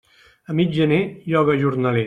A mig gener lloga jornaler.